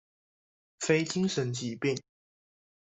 非精神疾病